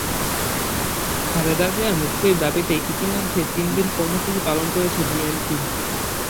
খালেদা জিয়ার মুক্তির দাবিতে ইতিমধ্যে তিন দিন কর্মসূচি পালন করেছে বিএনপি।